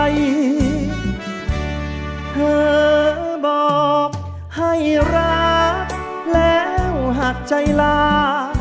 เธอบอกให้รักแล้วหักใจลา